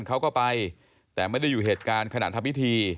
เขาก็ไปแต่ไม่ได้อยู่เหตุการณ์ขณะทำพิธี